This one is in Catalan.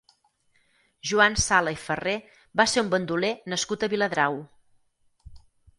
Joan Sala i Ferrer va ser un bandoler nascut a Viladrau.